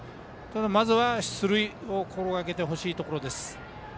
まずは出塁を心がけてほしいところです。